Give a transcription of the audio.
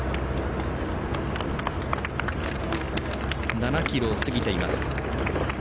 ７ｋｍを過ぎています。